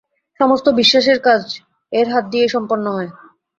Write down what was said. সমস্ত বিশ্বাসের কাজ এর হাত দিয়েই সম্পন্ন হয়।